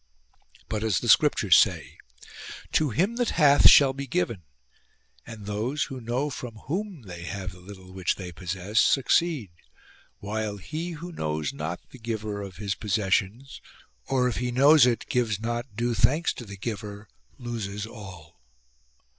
But as the scriptures say :" To him that hath shall be given" ; and those, who know from whom they have the little which they possess, succeed ; while he who knows not the giver of his possessions, or, if he knows it, gives not due thanks to the Giver, loses all.